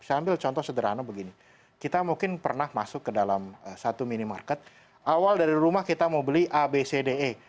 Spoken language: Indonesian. saya ambil contoh sederhana begini kita mungkin pernah masuk ke dalam satu minimarket awal dari rumah kita mau beli abcde